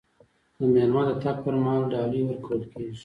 د میلمه د تګ پر مهال ډالۍ ورکول کیږي.